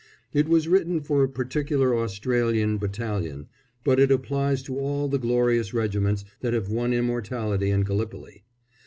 It was written for a particular Australian battalion, but it applies to all the glorious regiments that have won immortality in Gallipoli.